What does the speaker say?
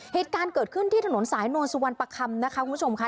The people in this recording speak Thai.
เหตุการณ์เกิดขึ้นที่ถนนสายนวลสุวรรณประคำนะคะคุณผู้ชมค่ะ